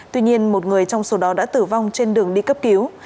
tuy nhiên một người trong số đó đã tử vong trên đường đi cấp cứu